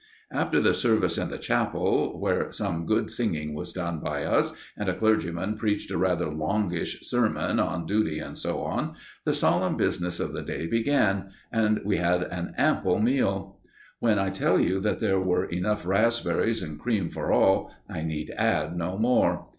After the service in the chapel, where some good singing was done by us, and a clergyman preached a rather longish sermon on duty and so on, the solemn business of the day began, and we had an ample meal. When I tell you that there were enough raspberries and cream for all, I need add no more.